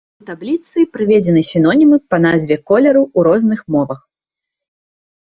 У табліцы прыведзены сінонімы па назве колеру ў розных мовах.